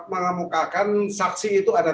mengamukakan saksi itu ada